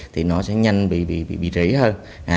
thì nó sẽ nhanh bị rỉ hơn